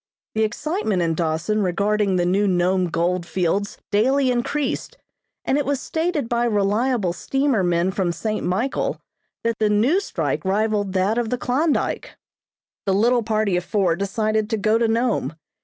The excitement in Dawson regarding the new Nome gold fields daily increased, and it was stated by reliable steamer men from St. Michael that the new strike rivaled that of the Klondyke. The little party of four decided to go to Nome.